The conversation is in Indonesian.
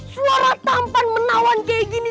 suara tampan menawan kayak gini